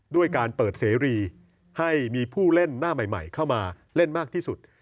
ด้วยการเปิดเสรีให้มีผู้เล่นหน้าใหม่เข้ามาเล่นมากที่สุด